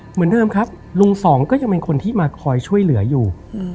เหมือนเดิมลุง๒ก็ยังมีคนที่มาคอยช่วยเหลืออยู่